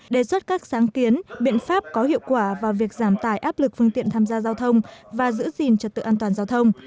đề xuất các sáng kiến biện pháp có hiệu quả vào việc giảm tài áp lực phương tiện tham gia giao thông và giữ gìn trật tự an toàn giao thông